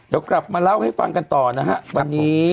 เดี๋ยวกลับมาเล่าให้ฟังกันต่อนะฮะวันนี้